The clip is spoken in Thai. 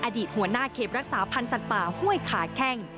อดีตหัวหน้าเขตรักษาพันธ์สัตว์ป่าห้วยขาแข้ง